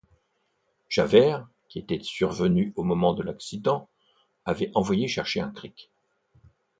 Javert, qui était survenu au moment de l’accident, avait envoyé chercher un cric.